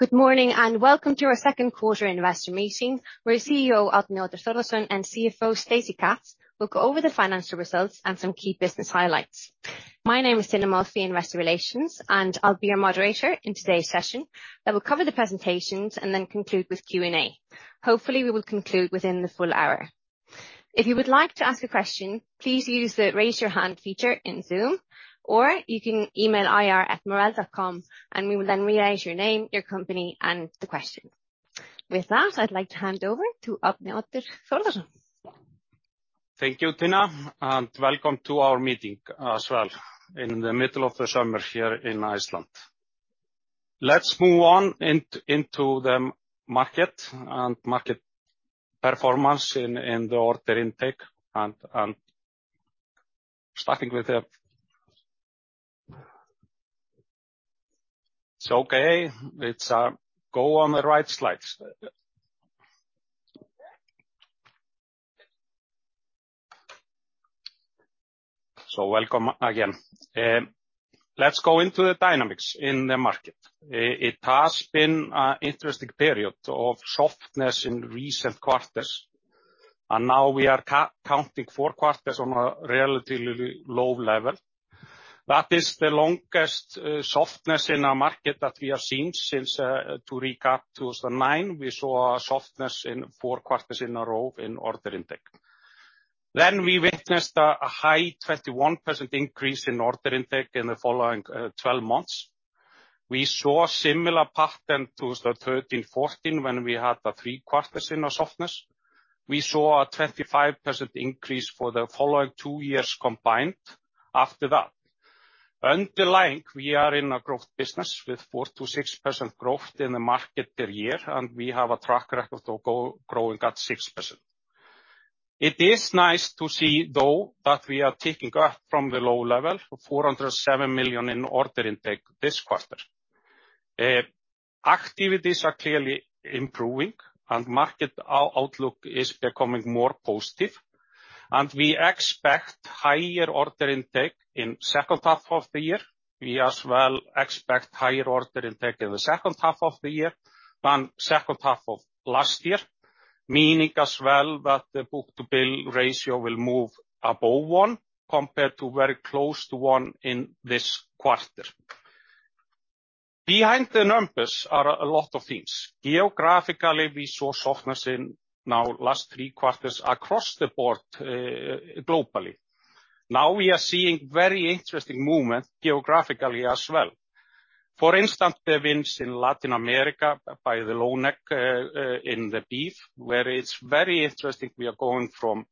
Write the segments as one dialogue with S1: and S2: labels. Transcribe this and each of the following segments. S1: Good morning, and welcome to our second quarter investor meeting, where CEO, Arni Oddur Thordarson, and CFO, Stacey Katz, will go over the financial results and some key business highlights. My name is Tina Murphy, Investor Relations, and I'll be your moderator in today's session. I will cover the presentations and then conclude with Q&A. Hopefully, we will conclude within the full hour. If you would like to ask a question, please use the raise your hand feature in Zoom, or you can email ir@marel.com, and we will then realize your name, your company, and the question. With that, I'd like to hand over to Arni Oddur Thordarson.
S2: Thank you, Tina, and welcome to our meeting as well in the middle of the summer here in Iceland. Let's move on into the market and market performance in the order intake, and starting with the... It's okay. Let's go on the right slides. Welcome again. Let's go into the dynamics in the market. It has been an interesting period of softness in recent quarters, and now we are counting 4 quarters on a relatively low level. That is the longest softness in our market that we have seen since, to recap, 2009, we saw a softness in 4 quarters in a row in order intake. Then, we witnessed a high 21% increase in order intake in the following 12 months. We saw similar pattern, 2013, 2014, when we had a 3 quarters in a softness. We saw a 25% increase for the following 2 years combined after that. Underlying, we are in a growth business with 4%-6% growth in the market per year, and we have a track record of growing at 6%. It is nice to see, though, that we are ticking up from the low level, 407 million in order intake this quarter. Activities are clearly improving, and market outlook is becoming more positive, and we expect higher order intake in second half of the year. We as well expect higher order intake in the second half of the year than second half of last year, meaning as well that the book-to-bill ratio will move above 1, compared to very close to 1 in this quarter. Behind the numbers are a lot of things. Geographically, we saw softness in now last 3 quarters across the board, globally. Now, we are seeing very interesting movement geographically as well. For instance, the wins in Latin America by the Loneg, in the beef, where it's very interesting, we are going from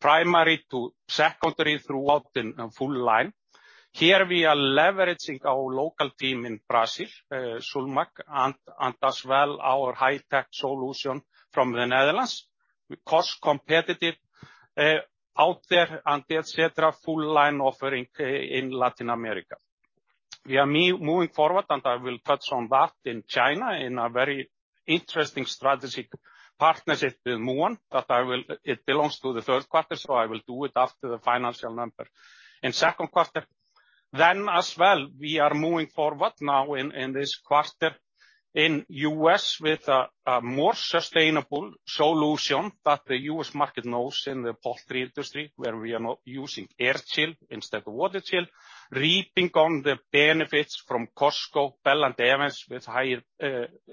S2: primary to secondary throughout the full line. Here, we are leveraging our local team in Brazil, Sulmaq, and as well, our high-tech solution from the Netherlands. We cost competitive, out there and et cetera, full line offering, in Latin America. We are moving forward. I will touch on that in China in a very interesting strategic partnership with Muyuan. It belongs to the third quarter. I will do it after the financial number. In second quarter, as well, we are moving forward now in this quarter in U.S. with a more sustainable solution that the U.S. market knows in the poultry industry, where we are now using air chill instead of water chill, reaping on the benefits from Costco, Bell & Evans, with higher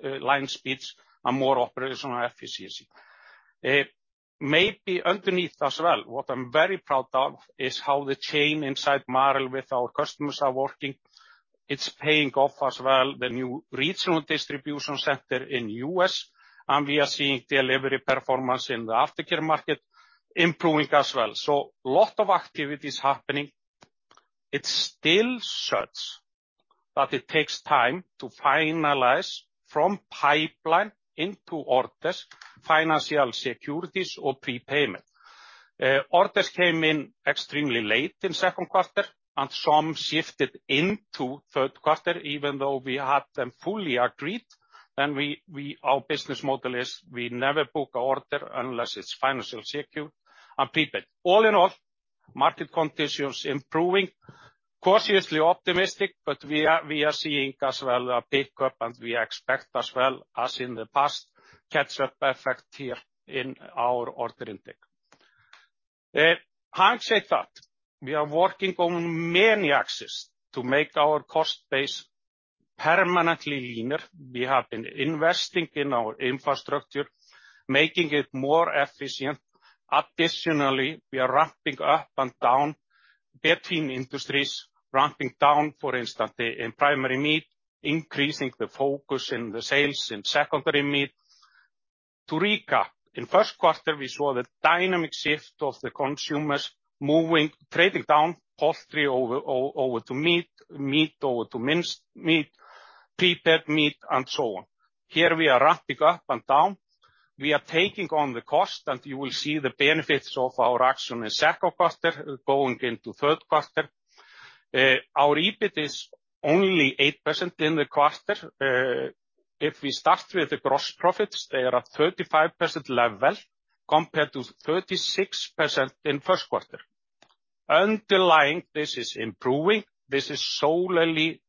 S2: line speeds and more operational efficiency. Maybe underneath as well, what I'm very proud of is how the chain inside Marel with our customers are working. It's paying off as well, the new regional distribution center in U.S. We are seeing delivery performance in the aftercare market improving as well. Lot of activities happening. It still such that it takes time to finalize from pipeline into orders, financial securities, or prepayment. Orders came in extremely late in second quarter, and some shifted into third quarter, even though we had them fully agreed, and we our business model is we never book a order unless it's financial secured and prepaid. All in all, market conditions improving, cautiously optimistic, we are seeing as well a pickup, and we expect as well as in the past, catch-up effect here in our order intake. Having said that, we are working on many axes to make our cost base permanently leaner. We have been investing in our infrastructure, making it more efficient. Additionally, we are ramping up and down between industries, ramping down, for instance, in primary meat, increasing the focus in the sales in secondary meat. To recap, in first quarter, we saw the dynamic shift of the consumers moving, trading down poultry over over to meat over to minced meat, prepared meat, and so on. Here, we are ramping up and down. We are taking on the cost, you will see the benefits of our action in second quarter going into third quarter. Our EBIT is only 8% in the quarter. If we start with the gross profits, they are at 35% level compared to 36% in first quarter. Underlying, this is improving. This is solely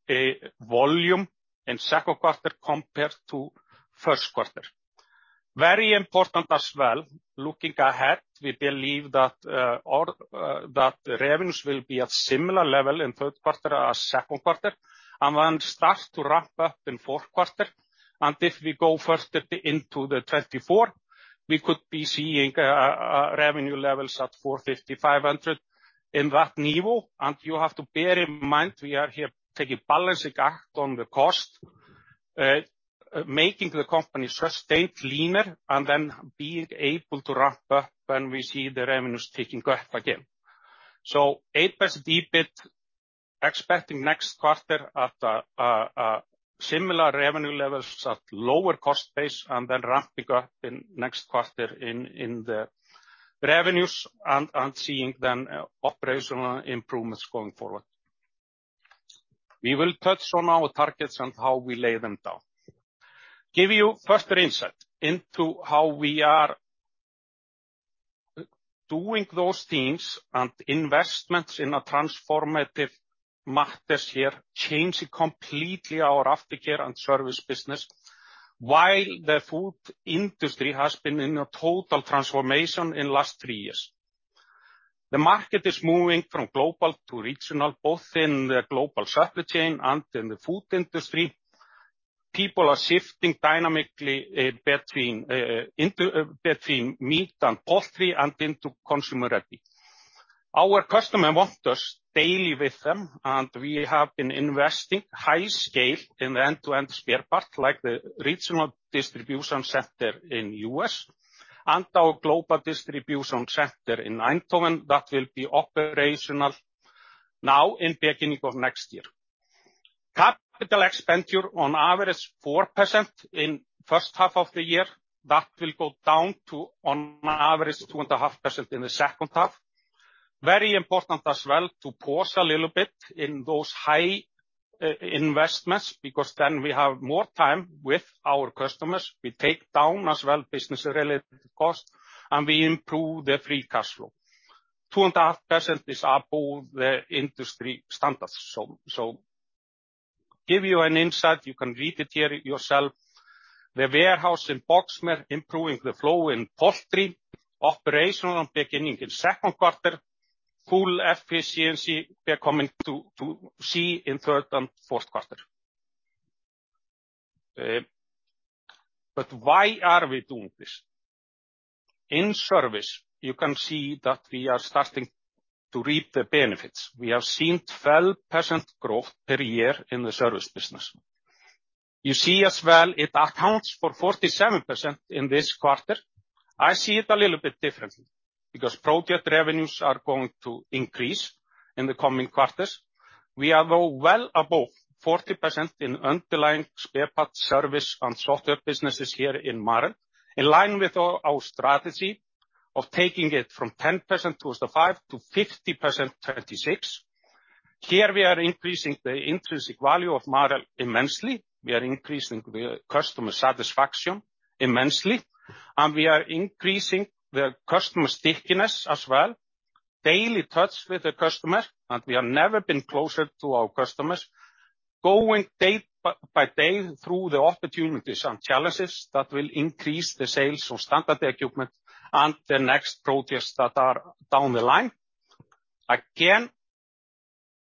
S2: volume in second quarter compared to first quarter. Very important as well, looking ahead, we believe that all that revenues will be at similar level in third quarter or second quarter, and then start to ramp up in fourth quarter. If we go further into 2024, we could be seeing revenue levels at 450, 500, in that level. You have to bear in mind, we are here taking balancing act on the cost, making the company sustained leaner, and then being able to ramp up when we see the revenues ticking up again. 8% EBIT, expecting next quarter at a similar revenue levels at lower cost base, and then ramping up in next quarter in the revenues and seeing then operational improvements going forward. We will touch on our targets and how we lay them down. Give you first insight into how we are doing those things and investments in a transformative matters here, changing completely our aftercare and service business, while the food industry has been in a total transformation in last three years. The market is moving from global to regional, both in the global supply chain and in the food industry. People are shifting dynamically between meat and poultry and into consumer ready. Our customer want us daily with them, and we have been investing high scale in end-to-end spare parts, like the regional distribution center in U.S., and our global distribution center in Eindhoven, that will be operational now in beginning of next year. Capital expenditure on average 4% in first half of the year, that will go down to on average, 2.5% in the second half. Very important as well to pause a little bit in those high investments, because then we have more time with our customers. We take down as well, business-related costs, and we improve the free cash flow. 2.5% is above the industry standards. Give you an insight, you can read it here yourself. The warehouse in Boxmeer, improving the flow in poultry, operational beginning in second quarter, full efficiency we are coming to see in third and fourth quarter. Why are we doing this? In service, you can see that we are starting to reap the benefits. We have seen 12% growth per year in the service business. You see as well, it accounts for 47% in this quarter. I see it a little bit differently, because project revenues are going to increase in the coming quarters. We are, though, well above 40% in underlying spare parts, service, and software businesses here in Marel, in line with our strategy of taking it from 10% towards the 5%-50% 2026. Here, we are increasing the intrinsic value of Marel immensely. We are increasing the customer satisfaction immensely, and we are increasing the customer stickiness as well. Daily touch with the customer, we have never been closer to our customers. Going day by day through the opportunities and challenges that will increase the sales of standard equipment and the next projects that are down the line. Again,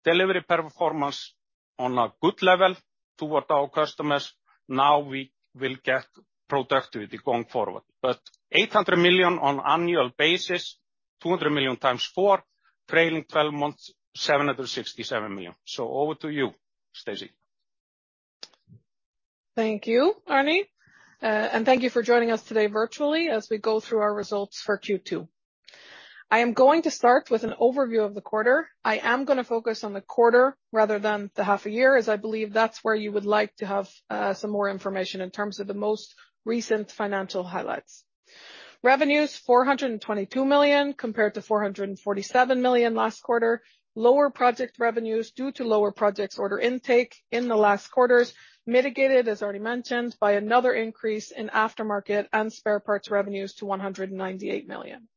S2: delivery performance on a good level toward our customers. We will get productivity going forward. 800 million on annual basis, 200 million times 4, trailing twelve months, 767 million. Over to you, Stacey.
S3: Thank you, Arni. Thank you for joining us today virtually, as we go through our results for Q2. I'm going to start with an overview of the quarter. I'm going to focus on the quarter rather than the half a year, as I believe that's where you would like to have some more information in terms of the most recent financial highlights. Revenues, 422 million, compared to 447 million last quarter. Lower project revenues due to lower projects order intake in the last quarters, mitigated, as already mentioned, by another increase in aftermarket and spare parts revenues to 198 million.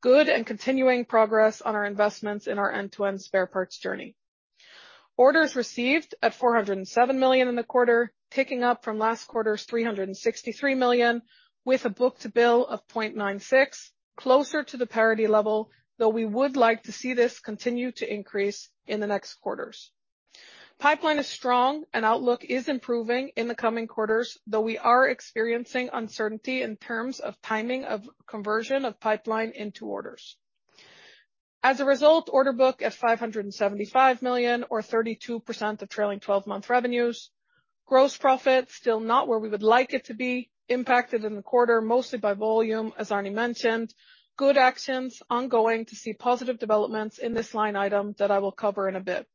S3: Good and continuing progress on our investments in our end-to-end spare parts journey. Orders received at 407 million in the quarter, ticking up from last quarter's 363 million, with a book-to-bill of 0.96, closer to the parity level, though we would like to see this continue to increase in the next quarters. Pipeline is strong and outlook is improving in the coming quarters, though we are experiencing uncertainty in terms of timing of conversion of pipeline into orders. As a result, order book at 575 million or 32% of trailing twelve-month revenues. Gross profit, still not where we would like it to be, impacted in the quarter, mostly by volume, as Arni mentioned. Good actions ongoing to see positive developments in this line item that I will cover in a bit.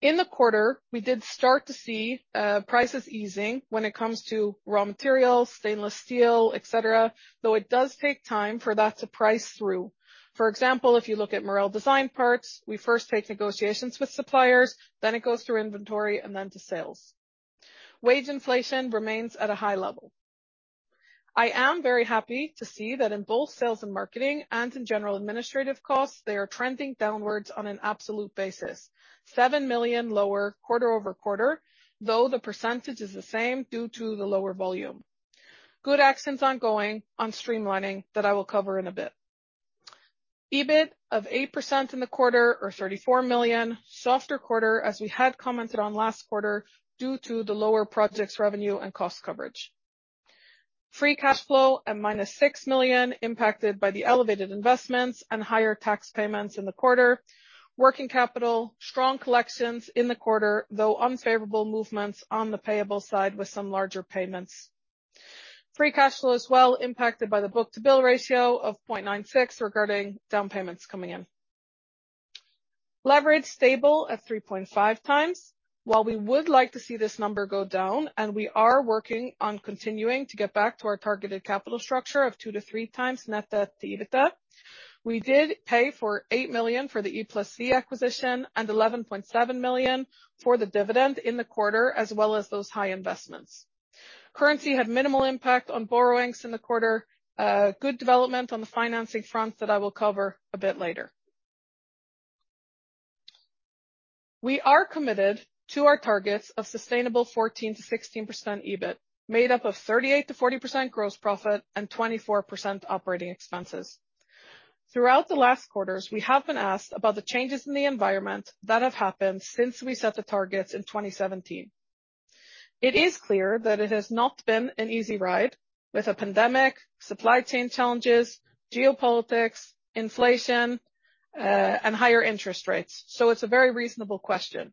S3: In the quarter, we did start to see prices easing when it comes to raw materials, stainless steel, et cetera, though it does take time for that to price through. For example, if you look at Marel design parts, we first take negotiations with suppliers, then it goes through inventory, and then to sales. Wage inflation remains at a high level. I am very happy to see that in both sales and marketing, and in general administrative costs, they are trending downwards on an absolute basis. 7 million lower quarter-over-quarter, though the percentage is the same due to the lower volume. Good actions ongoing on streamlining that I will cover in a bit. EBIT of 8% in the quarter, or 34 million. Softer quarter, as we had commented on last quarter, due to the lower projects revenue and cost coverage. Free cash flow at -6 million, impacted by the elevated investments and higher tax payments in the quarter. Working capital, strong collections in the quarter, though unfavorable movements on the payable side with some larger payments. Free cash flow as well impacted by the book-to-bill ratio of 0.96 regarding down payments coming in. Leverage stable at 3.5 times. While we would like to see this number go down, and we are working on continuing to get back to our targeted capital structure of 2-3 times net debt to EBITDA, we did pay for 8 million for the E+V acquisition and 11.7 million for the dividend in the quarter, as well as those high investments. Currency had minimal impact on borrowings in the quarter. Good development on the financing front that I will cover a bit later. We are committed to our targets of sustainable 14%-16% EBIT, made up of 38%-40% gross profit and 24% operating expenses. Throughout the last quarters, we have been asked about the changes in the environment that have happened since we set the targets in 2017. It is clear that it has not been an easy ride with a pandemic, supply chain challenges, geopolitics, inflation, and higher interest rates, so it's a very reasonable question.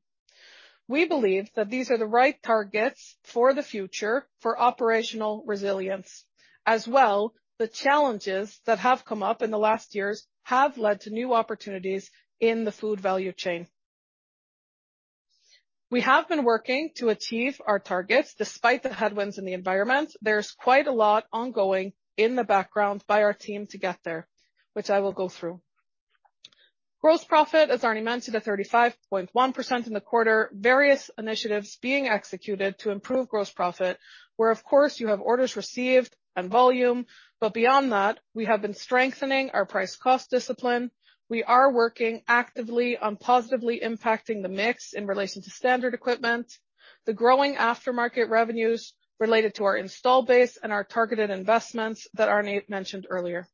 S3: We believe that these are the right targets for the future for operational resilience. As well, the challenges that have come up in the last years have led to new opportunities in the food value chain. We have been working to achieve our targets despite the headwinds in the environment. There's quite a lot ongoing in the background by our team to get there, which I will go through. Gross profit, as Arni mentioned, at 35.1% in the quarter. Various initiatives being executed to improve gross profit, where, of course, you have orders received and volume, but beyond that, we have been strengthening our price-cost discipline. We are working actively on positively impacting the mix in relation to standard equipment, the growing aftermarket revenues related to our install base and our targeted investments that Arni mentioned earlier.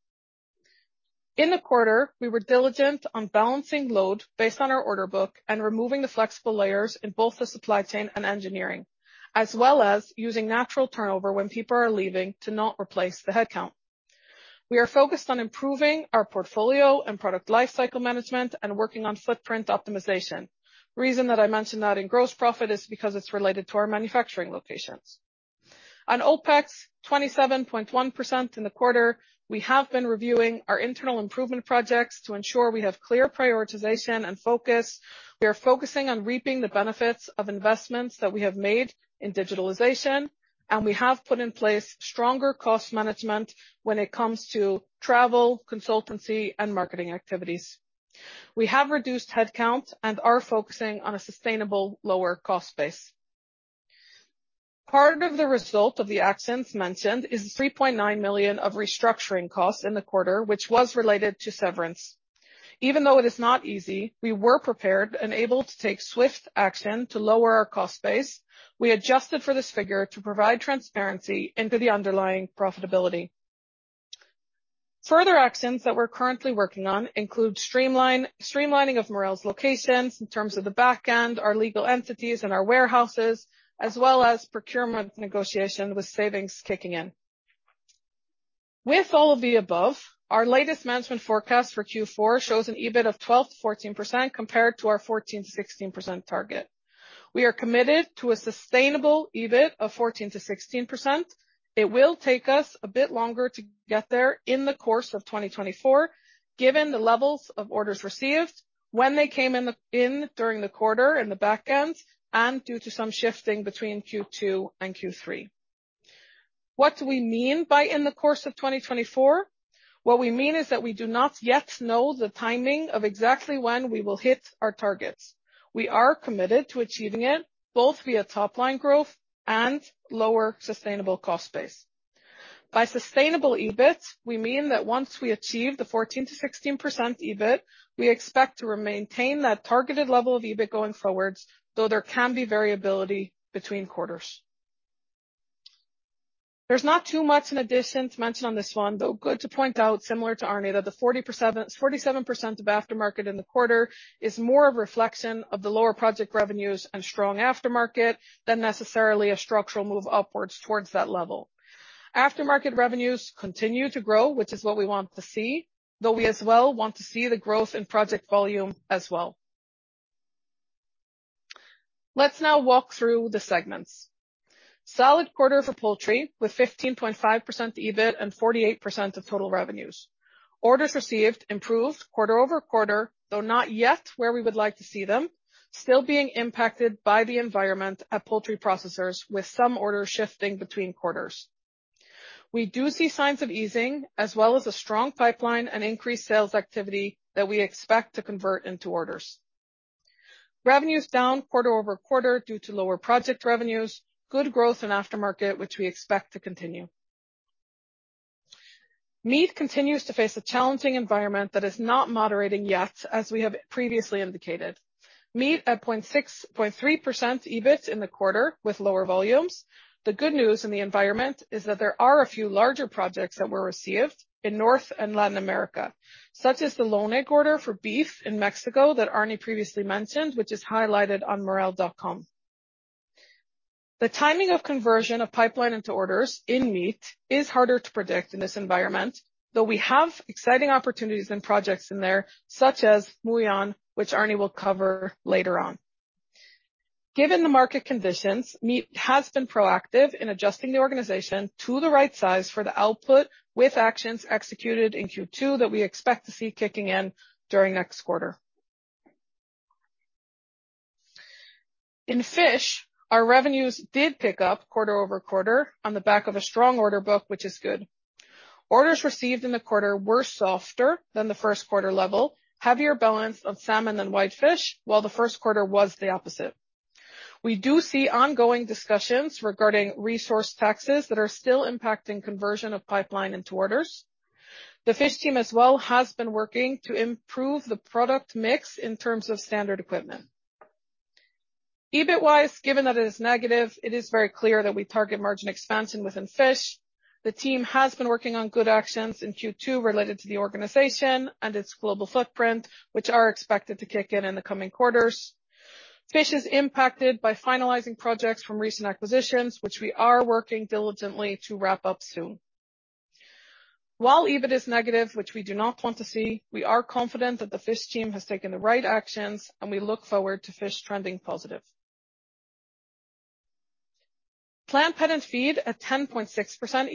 S3: In the quarter, we were diligent on balancing load based on our order book and removing the flexible layers in both the supply chain and engineering, as well as using natural turnover when people are leaving to not replace the headcount. We are focused on improving our portfolio and product lifecycle management and working on footprint optimization. Reason that I mentioned that in gross profit is because it's related to our manufacturing locations. On OPEX, 27.1% in the quarter, we have been reviewing our internal improvement projects to ensure we have clear prioritization and focus. We are focusing on reaping the benefits of investments that we have made in digitalization, and we have put in place stronger cost management when it comes to travel, consultancy, and marketing activities. We have reduced headcount and are focusing on a sustainable lower cost base. Part of the result of the actions mentioned is 3.9 million of restructuring costs in the quarter, which was related to severance. Even though it is not easy, we were prepared and able to take swift action to lower our cost base. We adjusted for this figure to provide transparency into the underlying profitability. Further actions that we're currently working on include streamlining of Marel's locations in terms of the back end, our legal entities, and our warehouses, as well as procurement negotiation with savings kicking in. With all of the above, our latest management forecast for Q4 shows an EBIT of 12%-14% compared to our 14%-16% target. We are committed to a sustainable EBIT of 14%-16%. It will take us a bit longer to get there in the course of 2024, given the levels of orders received when they came in during the quarter in the back end, and due to some shifting between Q2 and Q3. What do we mean by in the course of 2024? What we mean is that we do not yet know the timing of exactly when we will hit our targets. We are committed to achieving it, both via top-line growth and lower sustainable cost base. By sustainable EBIT, we mean that once we achieve the 14%-16% EBIT, we expect to maintain that targeted level of EBIT going forwards, though there can be variability between quarters. There's not too much in addition to mention on this one, though good to point out, similar to Arni, that the 47% of aftermarket in the quarter is more a reflection of the lower project revenues and strong aftermarket than necessarily a structural move upwards towards that level. Aftermarket revenues continue to grow, which is what we want to see, though we as well want to see the growth in project volume as well. Let's now walk through the segments. Solid quarter for poultry, with 15.5% EBIT and 48% of total revenues. Orders received improved quarter-over-quarter, though not yet where we would like to see them, still being impacted by the environment at poultry processors, with some orders shifting between quarters. We do see signs of easing, as well as a strong pipeline and increased sales activity that we expect to convert into orders. Revenues down quarter-over-quarter due to lower project revenues. Good growth in aftermarket, which we expect to continue. Meat continues to face a challenging environment that is not moderating yet, as we have previously indicated. Meat at 6.3% EBIT in the quarter, with lower volumes. The good news in the environment is that there are a few larger projects that were received in North and Latin America, such as the Loneg order for beef in Mexico that Arni previously mentioned, which is highlighted on Marel.com. The timing of conversion of pipeline into orders in meat is harder to predict in this environment, though we have exciting opportunities and projects in there, such as Muyuan, which Arni will cover later on. Given the market conditions, meat has been proactive in adjusting the organization to the right size for the output, with actions executed in Q2 that we expect to see kicking in during next quarter. In fish, our revenues did pick up quarter-over-quarter on the back of a strong order book, which is good. Orders received in the quarter were softer than the first quarter level, heavier balance on salmon and whitefish, while the first quarter was the opposite. We do see ongoing discussions regarding resource taxes that are still impacting conversion of pipeline into orders. The fish team as well has been working to improve the product mix in terms of standard equipment. EBIT-wise, given that it is negative, it is very clear that we target margin expansion within fish. The team has been working on good actions in Q2 related to the organization and its global footprint, which are expected to kick in in the coming quarters. Fish is impacted by finalizing projects from recent acquisitions, which we are working diligently to wrap up soon. While EBIT is negative, which we do not want to see, we are confident that the fish team has taken the right actions and we look forward to fish trending positive. Plant, pet, and feed at 10.6%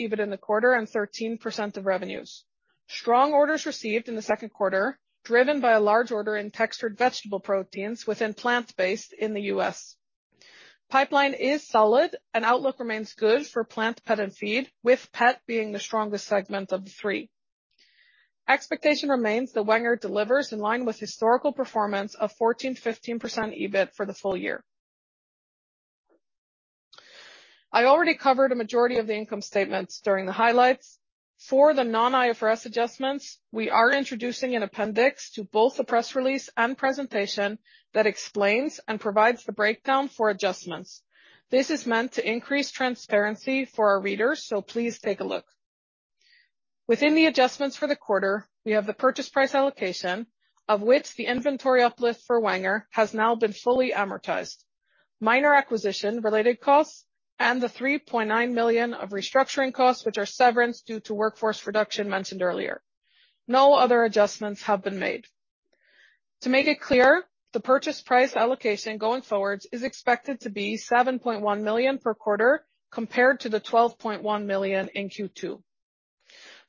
S3: EBIT in the quarter, and 13% of revenues. Strong orders received in the second quarter, driven by a large order in textured vegetable proteins within plant-based in the U.S. Pipeline is solid and outlook remains good for plant, pet, and feed, with pet being the strongest segment of the three. Expectation remains that Wenger delivers in line with historical performance of 14%-15% EBIT for the full year. I already covered a majority of the income statements during the highlights. For the non-IFRS adjustments, we are introducing an appendix to both the press release and presentation that explains and provides the breakdown for adjustments. This is meant to increase transparency for our readers, so please take a look. Within the adjustments for the quarter, we have the purchase price allocation, of which the inventory uplift for Wenger has now been fully amortized. Minor acquisition-related costs and the 3.9 million of restructuring costs, which are severance due to workforce reduction mentioned earlier. No other adjustments have been made. To make it clear, the purchase price allocation going forward is expected to be 7.1 million per quarter, compared to 12.1 million in Q2.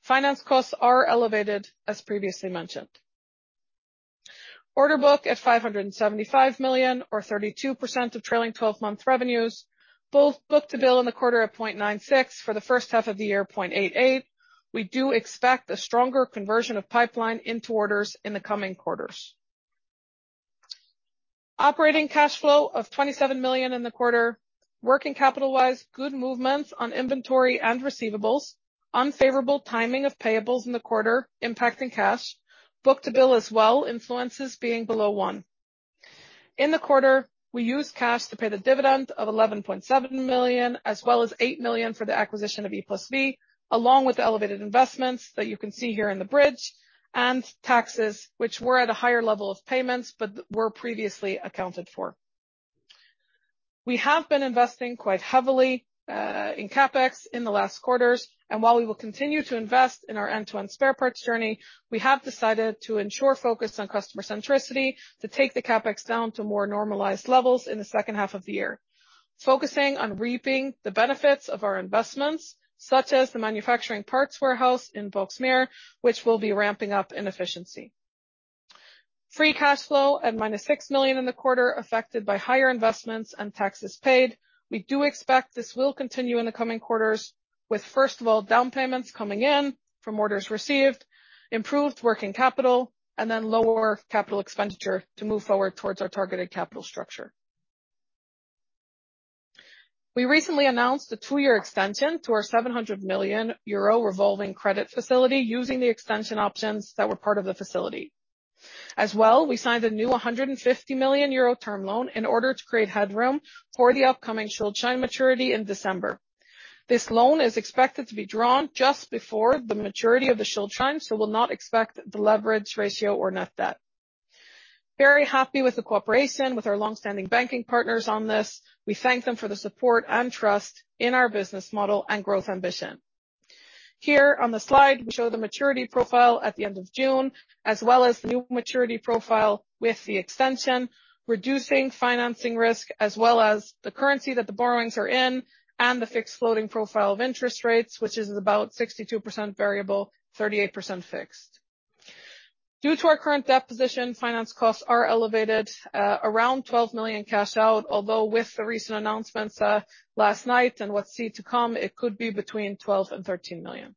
S3: Finance costs are elevated, as previously mentioned. Order book at 575 million, or 32% of trailing twelve-month revenues. Both book-to-bill in the quarter at 0.96. For the first half of the year, 0.88. We do expect a stronger conversion of pipeline into orders in the coming quarters. Operating cash flow of 27 million in the quarter. Working capital-wise, good movements on inventory and receivables. Unfavorable timing of payables in the quarter impacting cash. Book-to-bill as well, influences being below one. In the quarter, we used cash to pay the dividend of 11.7 million, as well as 8 million for the acquisition of E+V, along with the elevated investments that you can see here in the bridge, and taxes, which were at a higher level of payments, but were previously accounted for. We have been investing quite heavily in CapEx in the last quarters, and while we will continue to invest in our end-to-end spare parts journey, we have decided to ensure focus on customer centricity, to take the CapEx down to more normalized levels in the second half of the year. Focusing on reaping the benefits of our investments, such as the manufacturing parts warehouse in Boxmeer, which will be ramping up in efficiency. Free cash flow at -6 million in the quarter, affected by higher investments and taxes paid. We do expect this will continue in the coming quarters with, first of all, down payments coming in from orders received, improved working capital, and then lower CapEx to move forward towards our targeted capital structure. We recently announced a two-year extension to our 700 million euro revolving credit facility, using the extension options that were part of the facility. We signed a new 150 million euro term loan in order to create headroom for the upcoming Schuldschein maturity in December. This loan is expected to be drawn just before the maturity of the Schuldschein, so will not expect the leverage, ratio, or net debt. Very happy with the cooperation with our long-standing banking partners on this. We thank them for the support and trust in our business model and growth ambition. Here on the slide, we show the maturity profile at the end of June, as well as the new maturity profile with the extension, reducing financing risk, as well as the currency that the borrowings are in and the fixed floating profile of interest rates, which is about 62% variable, 38% fixed. Due to our current debt position, finance costs are elevated, around 12 million cash out, although with the recent announcements last night and what's seen to come, it could be between 12 million and 13 million.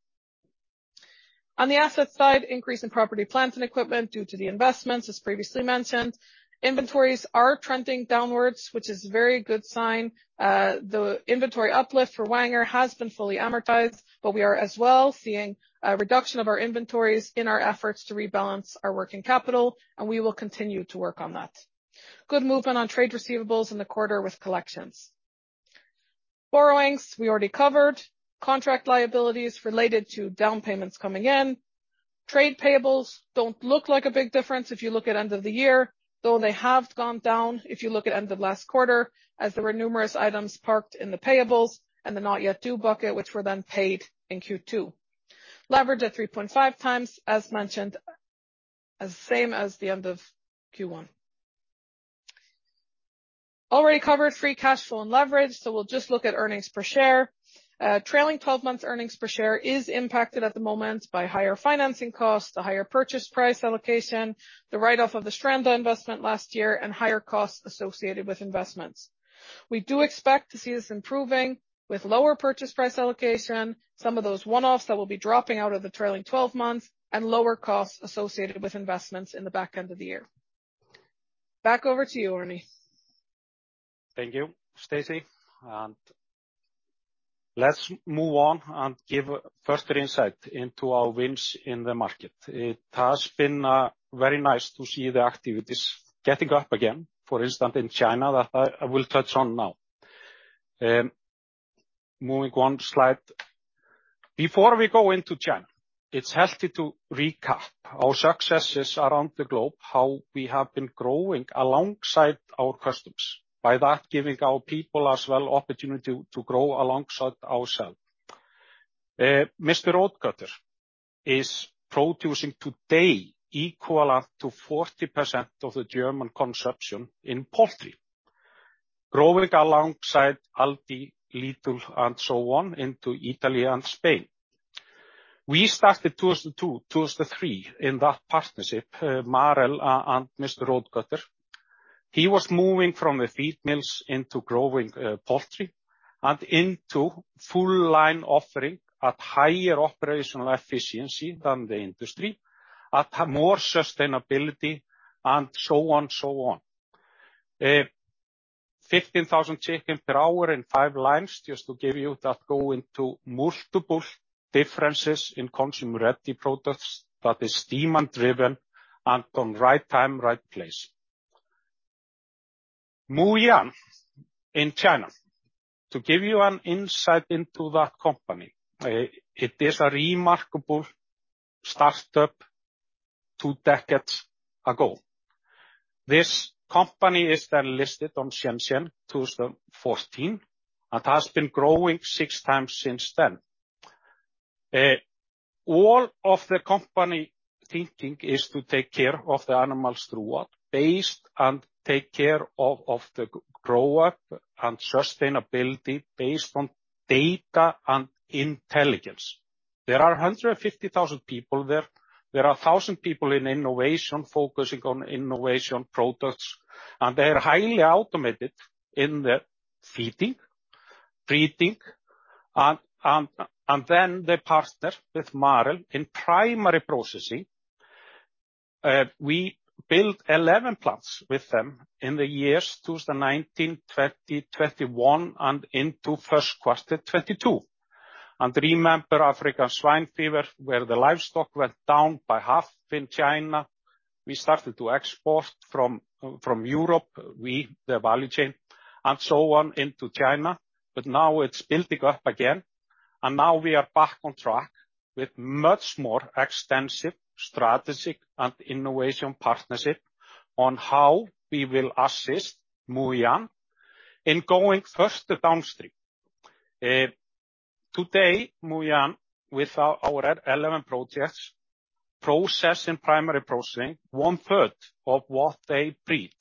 S3: On the asset side, increase in property, plant, and equipment due to the investments, as previously mentioned. Inventories are trending downwards, which is a very good sign. The inventory uplift for Wenger has been fully amortized, but we are as well seeing a reduction of our inventories in our efforts to rebalance our working capital, and we will continue to work on that. Good movement on trade receivables in the quarter with collections. Borrowings, we already covered. Contract liabilities related to down payments coming in. Trade payables don't look like a big difference if you look at end of the year, though they have gone down, if you look at end of last quarter, as there were numerous items parked in the payables and the not yet due bucket, which were then paid in Q2. Leverage at 3.5 times, as mentioned, as same as the end of Q1. Already covered free cash flow and leverage, we'll just look at earnings per share. Trailing twelve months earnings per share is impacted at the moment by higher financing costs, the higher purchase price allocation, the write-off of the Stranda investment last year, and higher costs associated with investments. We do expect to see this improving with lower purchase price allocation, some of those one-offs that will be dropping out of the trailing twelve months, and lower costs associated with investments in the back end of the year. Back over to you, Arni.
S2: Thank you, Stacey. Let's move on and give further insight into our wins in the market. It has been very nice to see the activities getting up again, for instance, in China, that I will touch on now. Moving one slide. Before we go into China, it's healthy to recap our successes around the globe, how we have been growing alongside our customers, by that giving our people as well, opportunity to grow alongside ourselves. Rothkötter is producing today equivalent to 40% of the German consumption in poultry, growing alongside Aldi, Lidl, and so on, into Italy and Spain. We started 2002, 2003, in that partnership, Marel and Rothkötter. He was moving from the feed mills into growing poultry and into full line offering at higher operational efficiency than the industry, at more sustainability, and so on, so on. 15,000 chicken per hour and five lines, just to give you that go into multiple differences in consumer-ready products that is demand-driven and on right time, right place. Muyuan in China, to give you an insight into that company, it is a remarkable startup two decades ago. This company is then listed on Shenzhen 2014, and has been growing six times since then. All of the company thinking is to take care of the animals throughout, based and take care of the grow up and sustainability based on data and intelligence. There are 150,000 people there. There are 1,000 people in innovation, focusing on innovation products. They are highly automated in the feeding, breeding, and then they partner with Marel in primary processing. We built 11 plants with them in the years 2019, 2020, 2021, and into first quarter 2022. Remember, African swine fever, where the livestock went down by half in China, we started to export from Europe, we, the value chain, and so on into China, but now it's building up again. Now we are back on track with much more extensive strategic and innovation partnership on how we will assist Muyuan in going further downstream. Today, Muyuan, with our 11 projects, processing primary processing, one-third of what they breed.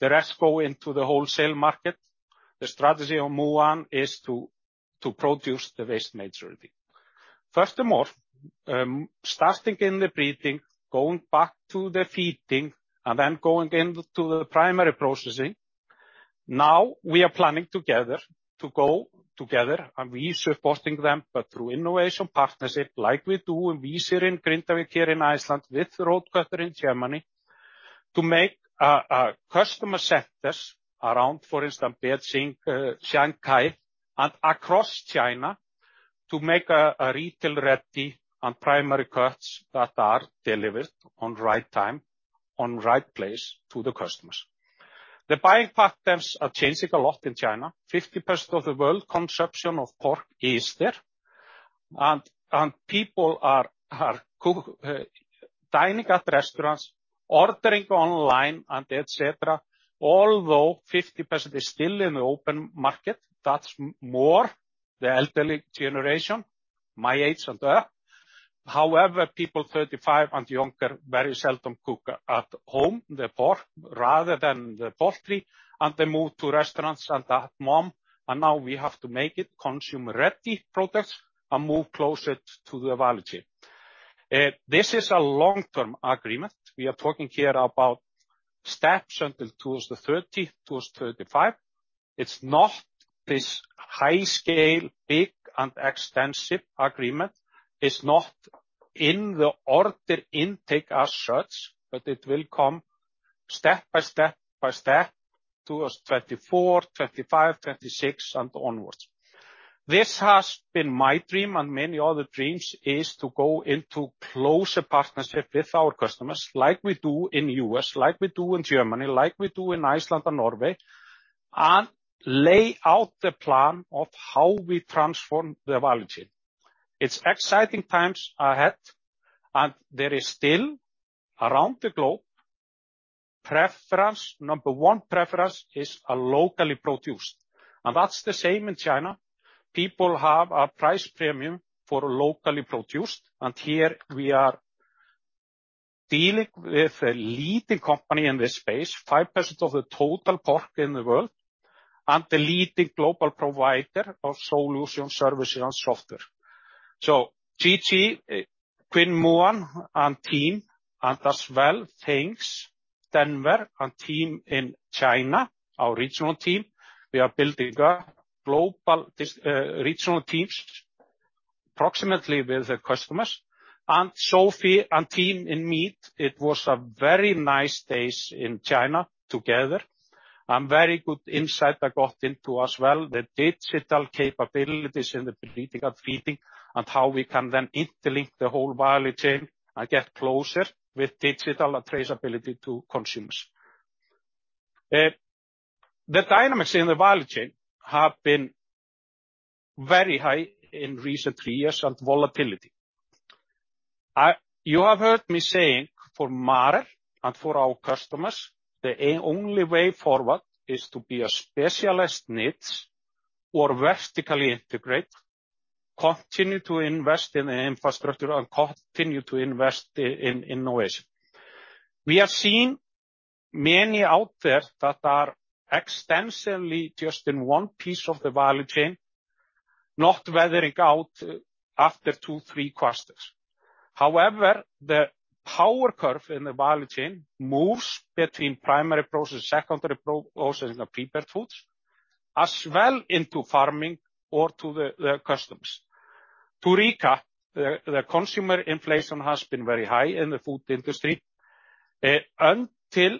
S2: The rest go into the wholesale market. The strategy of Muyuan is to produce the waste majority. First of more, starting in the breeding, going back to the feeding, and then going into the primary processing. We are planning together to go together, and we supporting them, but through innovation partnership, like we do in Vísir in Grindavík, here in Iceland, with Rothkötter in Germany, to make a customer centers around, for instance, Beijing, Shanghai, and across China, to make a retail ready and primary cuts that are delivered on right time, on right place to the customers. The buying patterns are changing a lot in China. 50% of the world consumption of pork is there, and people are cook, dining at restaurants, ordering online, and et cetera. 50% is still in the open market, that's more the elderly generation, my age and up. People 35 and younger, very seldom cook at home, the pork rather than the poultry, and they move to restaurants and at home, and now we have to make it consumer-ready products and move closer to the value chain. This is a long-term agreement. We are talking here about steps until towards the 30, towards 35. It's not this high scale, big and extensive agreement. It's not in the order intake as such, it will come step by step by step, towards 24, 25, 26, and onwards. This has been my dream and many other dreams, is to go into closer partnership with our customers, like we do in the U.S., like we do in Germany, like we do in Iceland and Norway, and lay out the plan of how we transform the value chain. It's exciting times ahead, and there is still, around the globe, preference, number one preference, is a locally produced. That's the same in China. People have a price premium for locally produced, and here we are dealing with a leading company in this space, 5% of the total pork in the world, and the leading global provider of solution, services, and software. GG, Quinn Moan, and team, and as well, thanks, Denver and team in China, our regional team. We are building up global regional teams proximately with the customers. Sophie and team in meat, it was a very nice days in China together, and very good insight I got into as well, the digital capabilities in the breening and feeding, and how we can then interlink the whole value chain and get closer with digital and traceability to consumers. The dynamics in the value chain have been very high in recent years and volatility. You have heard me saying, for Marel and for our customers, the only way forward is to be a specialist niche or vertically integrate, continue to invest in the infrastructure and continue to invest in innovation. We have seen many out there that are extensively just in one piece of the value chain, not weathering out after two, three quarters. The power curve in the value chain moves between primary process, secondary processing of prepared foods, as well into farming or to the customers. To recap, the consumer inflation has been very high in the food industry until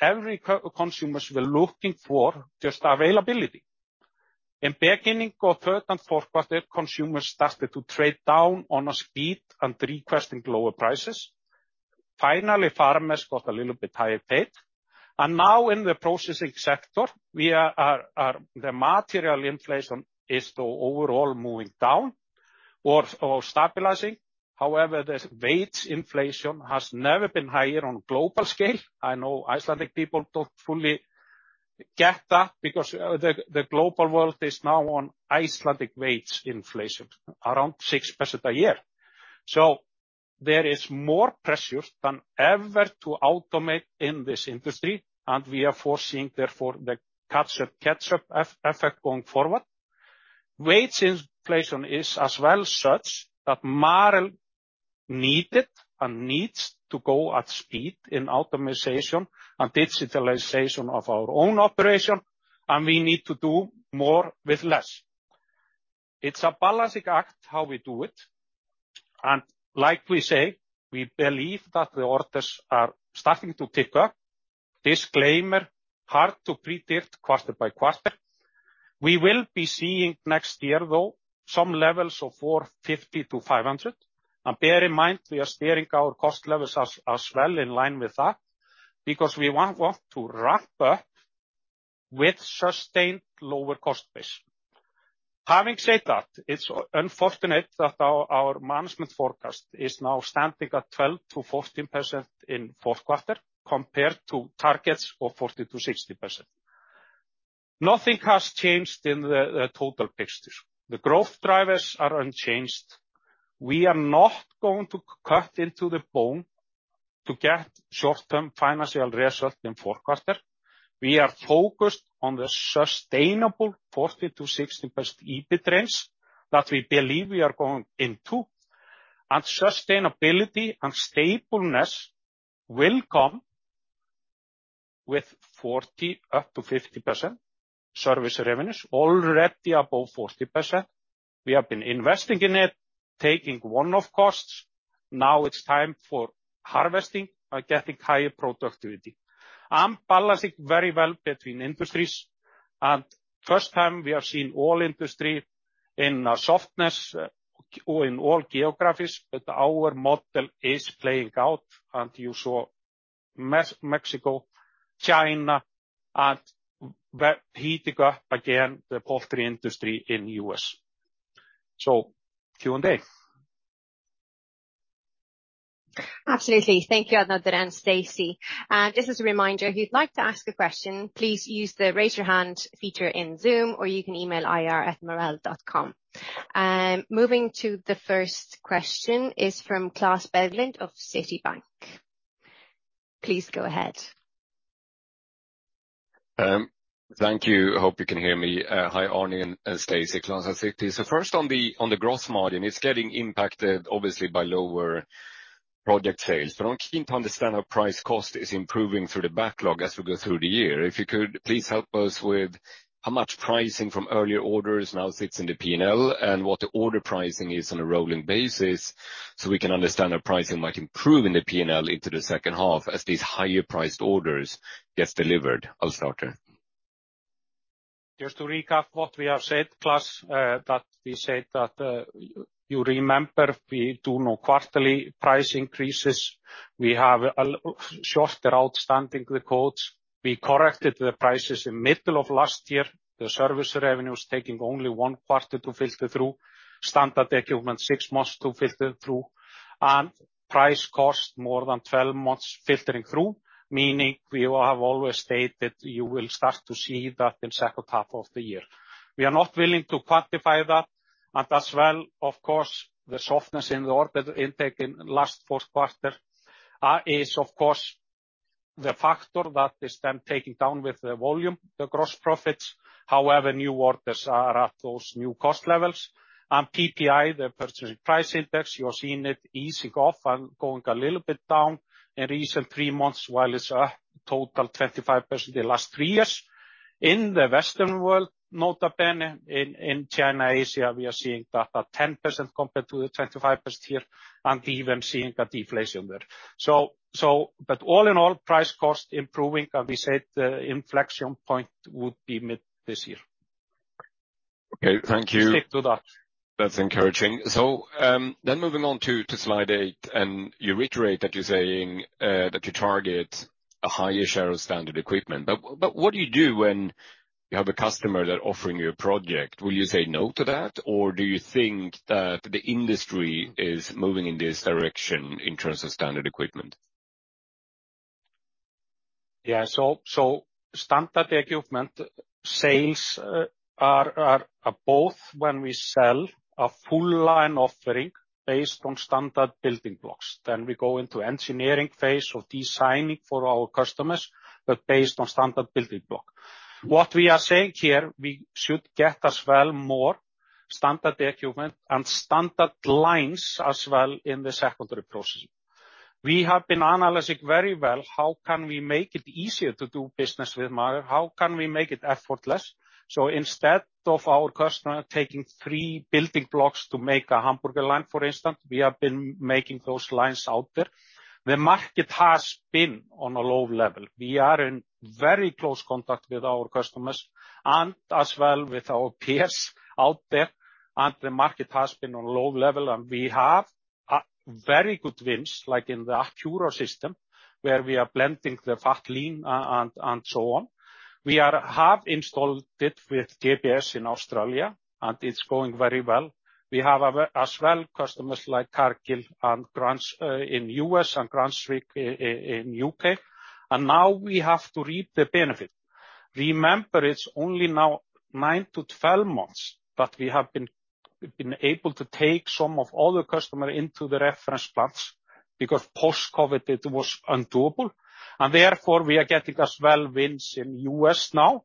S2: every consumers were looking for just availability. In beginning of third and fourth quarter, consumers started to trade down on a speed and requesting lower prices. Finally, farmers got a little bit higher paid. Now in the processing sector, we are the material inflation is though overall moving down or stabilizing. However, the wage inflation has never been higher on global scale. I know Icelandic people don't fully get that because the global world is now on Icelandic wage inflation, around 6% a year. There is more pressure than ever to automate in this industry, and we are foreseeing, therefore, the catch up effect going forward. Wage inflation is as well such that Marel needed and needs to go at speed in automization and digitalization of our own operation, and we need to do more with less. It's a balancing act, how we do it, and like we say, we believe that the orders are starting to tick up. Disclaimer, hard to predict quarter by quarter. We will be seeing next year, though, some levels of 450 million-500 million. Bear in mind, we are steering our cost levels as well in line with that, because we want to wrap up with sustained lower cost base. Having said that, it's unfortunate that our management forecast is now standing at 12%-14% in fourth quarter, compared to targets of 40%-60%. Nothing has changed in the total picture. The growth drivers are unchanged. We are not going to cut into the bone to get short-term financial result in fourth quarter. We are focused on the sustainable 40%-60% EBIT range that we believe we are going into. Sustainability and stableness will come with 40% up to 50% service revenues, already above 40%. We have been investing in it, taking one-off costs. Now it's time for harvesting and getting higher productivity. Balancing very well between industries, and first time, we have seen all industry in a softness, or in all geographies, but our model is playing out, and you saw Mexico, China, and we're heating up again, the poultry industry in U.S. Q&A.
S1: Absolutely. Thank you, Arni and Stacy. Just as a reminder, if you'd like to ask a question, please use the Raise Your Hand feature in Zoom, or you can email ir@marel.com. Moving to the first question is from Claes Berglund of Citibank. Please go ahead....
S4: thank you. Hope you can hear me. Hi, Arni and Stacy, Claes here. First on the gross margin, it's getting impacted, obviously, by lower project sales. I'm keen to understand how price-cost is improving through the backlog as we go through the year. If you could please help us with how much pricing from earlier orders now sits in the P&L, and what the order pricing is on a rolling basis, so we can understand how pricing might improve in the P&L into the second half as these higher priced orders gets delivered. I'll start here.
S2: Just to recap what we have said, Claes, that we said that, you remember, we do know quarterly price increases. We have shorter outstanding records. We corrected the prices in middle of last year. The service revenue is taking only 1 quarter to filter through. Standard equipment, 6 months to filter through. Price-cost, more than 12 months filtering through, meaning we will have always stated, you will start to see that in second half of the year. We are not willing to quantify that, as well, of course, the softness in the order intake in last fourth quarter, is of course, the factor that is then taking down with the volume, the gross profits. However, new orders are at those new cost levels. PPI, the Producer Price Index, you're seeing it easing off and going a little bit down in recent 3 months, while it's up total 25% the last 3 years. In the Western world, not then in China, Asia, we are seeing that at 10% compared to the 25% here, and even seeing a deflation there. All in all, price-cost improving, and we said the inflection point would be mid this year.
S4: Okay, thank you.
S2: We stick to that.
S4: That's encouraging. Then moving on to slide 8, and you reiterate that you're saying that you target a higher share of standard equipment. What do you do when you have a customer that offering you a project? Will you say no to that, or do you think that the industry is moving in this direction in terms of standard equipment?
S2: Yeah. Standard equipment sales are both when we sell a full line offering based on standard building blocks, then we go into engineering phase of designing for our customers, but based on standard building block. What we are saying here, we should get as well, more standard equipment and standard lines as well in the secondary processing. We have been analyzing very well, how can we make it easier to do business with Marel? How can we make it effortless? Instead of our customer taking 3 building blocks to make a hamburger line, for instance, we have been making those lines out there. The market has been on a low level. We are in very close contact with our customers as well with our peers out there, the market has been on a low level, we have very good wins, like in the Accuro system, where we are blending the fat lean and so on. We have installed it with KBS in Australia, and it's going very well. We have as well, customers like Cargill and Grants in U.S. and Cranswick in U.K., now we have to reap the benefit. Remember, it's only now 9-12 months, that we have been able to take some of all the customer into the reference plants, because post-COVID, it was undoable. Therefore, we are getting as well, wins in U.S. now,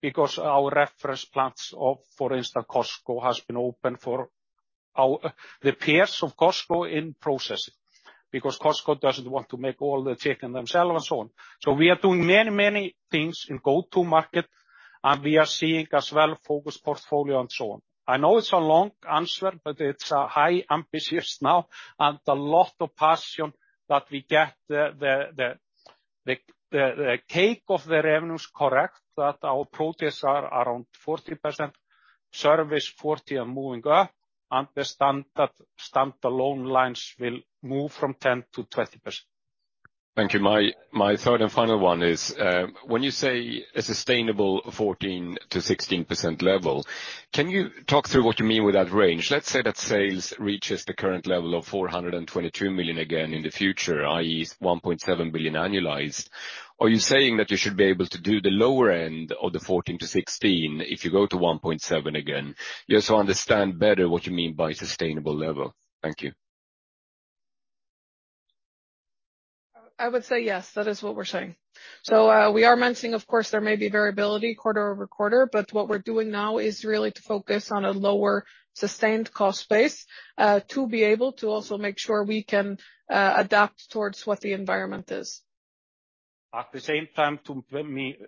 S2: because our reference plants of, for instance, Costco, has been open for our... The peers of Costco in processing, because Costco doesn't want to make all the chicken themselves and so on. We are doing many things in go-to market. We are seeing as well, focused portfolio and so on. I know it's a long answer. It's a high ambitious now. A lot of passion that we get the cake of the revenues correct, that our products are around 40%, service 40% and moving up. The standard alone lines will move from 10%-20%.
S4: Thank you. My third and final one is when you say a sustainable 14%-16% level, can you talk through what you mean with that range? Let's say that sales reaches the current level of 422 million again in the future, i.e., 1.7 billion annualized. Are you saying that you should be able to do the lower end of the 14%-16% if you go to 1.7 billion again? Just to understand better what you mean by sustainable level. Thank you.
S3: I would say yes, that is what we're saying. We are mentioning, of course, there may be variability quarter-over-quarter, but what we're doing now is really to focus on a lower, sustained cost base to be able to also make sure we can adapt towards what the environment is.
S2: At the same time,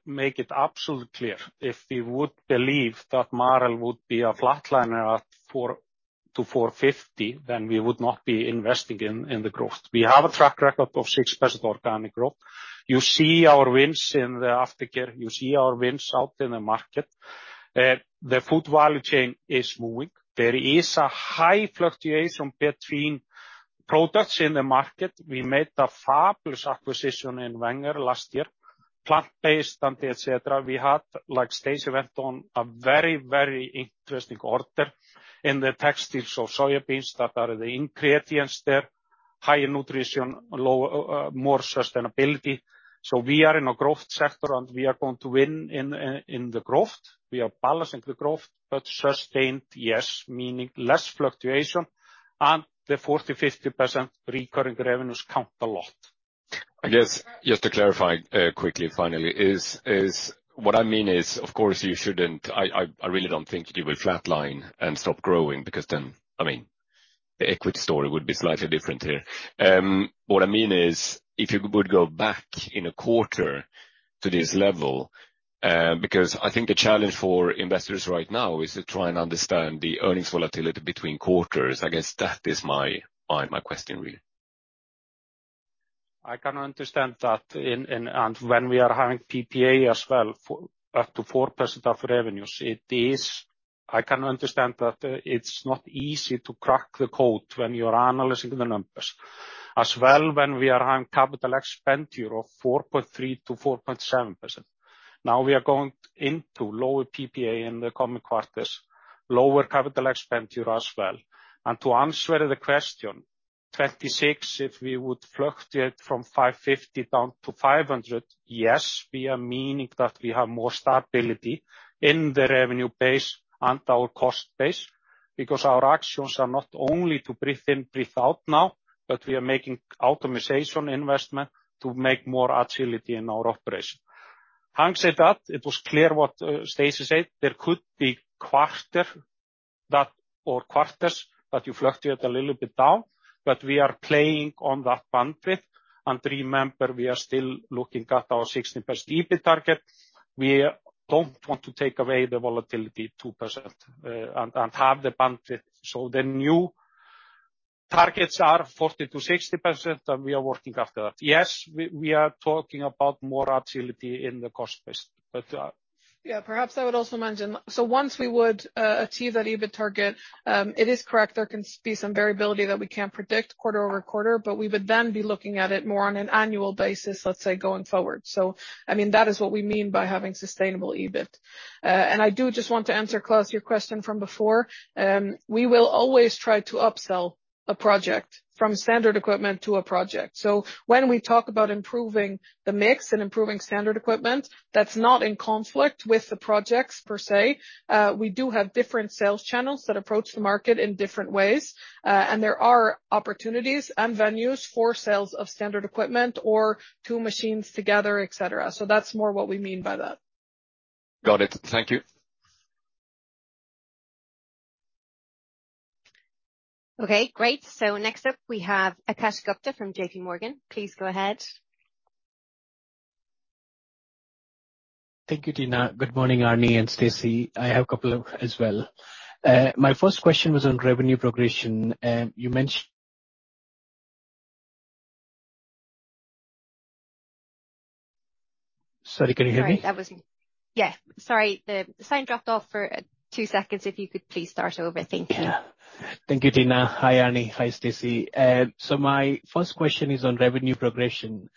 S2: make it absolutely clear, if we would believe that Marel would be a flatliner at 4-4.50, then we would not be investing in the growth. We have a track record of 6% organic growth. You see our wins in the aftercare, you see our wins out in the market. The food value chain is moving. There is a high fluctuation between products in the market. We made a fabulous acquisition in Wenger last year, plant-based and et cetera. We had, like Stacy went on, a very, very interesting order in the textiles of soybeans that are the ingredients there, higher nutrition, low, more sustainability. We are in a growth sector, and we are going to win in the growth. We are balancing the growth, but sustained, yes, meaning less fluctuation, and the 40, 50% recurring revenues count a lot.
S4: I guess, just to clarify, quickly, finally, is what I mean is, of course, I really don't think you will flatline and stop growing, because then, I mean, the equity story would be slightly different here. What I mean is, if you would go back in a quarter to this level, because I think the challenge for investors right now is to try and understand the earnings volatility between quarters. I guess that is my question, really.
S2: I can understand that when we are having PPA as well, up to 4% of revenues, it is. I can understand that it's not easy to crack the code when you are analyzing the numbers. When we are having CapEx of 4.3%-4.7%. We are going into lower PPA in the coming quarters, lower CapEx as well. To answer the question, 26, if we would fluctuate from 550 down to 500, yes, we are meaning that we have more stability in the revenue base and our cost base, because our actions are not only to breathe in, breathe out now, but we are making optimization investment to make more agility in our operation. Having said that, it was clear what Stacy said, there could be quarter that, or quarters, that you fluctuate a little bit down, but we are playing on that bandwidth. Remember, we are still looking at our 60% EBIT target. We don't want to take away the volatility 2%, and have the bandwidth. The new targets are 40%-60%, and we are working after that. Yes, we are talking about more agility in the cost base, but
S3: Yeah, perhaps I would also mention, once we would achieve that EBIT target, it is correct, there can be some variability that we can't predict quarter-over-quarter, but we would then be looking at it more on an annual basis, let's say, going forward. I mean, that is what we mean by having sustainable EBIT. I do just want to answer, Claes, your question from before. We will always try to upsell a project from standard equipment to a project. When we talk about improving the mix and improving standard equipment, that's not in conflict with the projects per se. We do have different sales channels that approach the market in different ways, there are opportunities and venues for sales of standard equipment or two machines together, et cetera. That's more what we mean by that.
S4: Got it. Thank you.
S5: Okay, great. Next up, we have Akash Gupta from JPMorgan. Please go ahead.
S6: Thank you, Tina. Good morning, Arni and Stacey. I have a couple as well. My first question was on revenue progression. You mentioned. Sorry, can you hear me?
S5: Sorry. Yeah, sorry, the sound dropped off for two seconds. If you could please start over. Thank you.
S6: Thank you, Tina. Hi, Arni. Hi, Stacy. My first question is on revenue progression.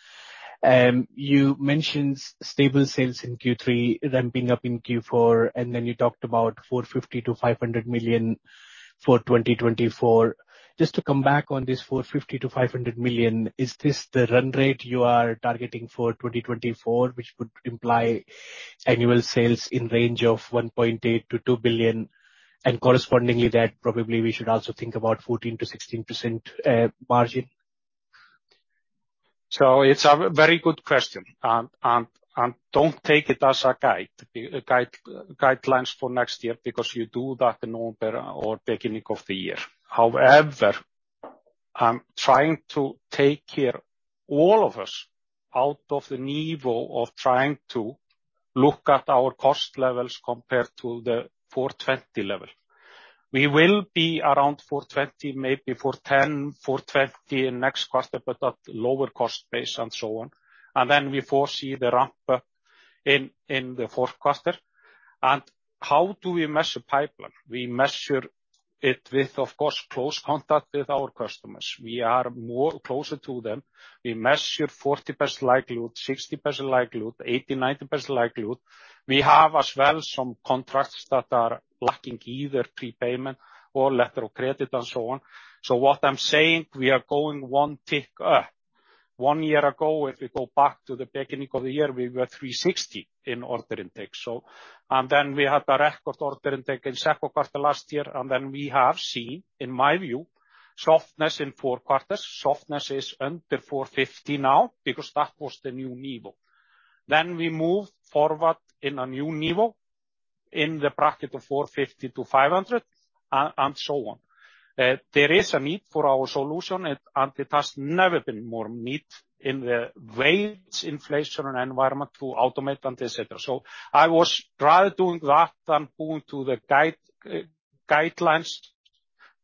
S6: You mentioned stable sales in Q3 ramping up in Q4, and then you talked about 450 million-500 million for 2024. Just to come back on this 450 million-500 million, is this the run rate you are targeting for 2024, which would imply annual sales in range of 1.8 billion-2 billion, and correspondingly, that probably we should also think about 14%-16% margin?
S2: It's a very good question. Don't take it as guidelines for next year, because you do that in November or beginning of the year. However, I'm trying to take care all of us out of the niveau of trying to look at our cost levels compared to the 420 level. We will be around 420, maybe 410, 420 in next quarter, but at lower cost base and so on. Then we foresee the ramp up in the 4th quarter. How do we measure pipeline? We measure it with, of course, close contact with our customers. We are more closer to them. We measure 40% likelihood, 60% likelihood, 80%, 90% likelihood. We have as well some contracts that are lacking either prepayment or letter of credit and so on. What I'm saying, we are going one tick up. One year ago, if we go back to the beginning of the year, we were 360 million in order intake. Then we had a record order intake in second quarter last year, and then we have seen, in my view, softness in four quarters. Softness is under 450 million now, because that was the new niveau. We moved forward in a new niveau in the bracket of 450 million-500 million, and so on. There is a need for our solution, and it has never been more need in the wage inflation environment to automate and et cetera. I was rather doing that than going to the guide guidelines,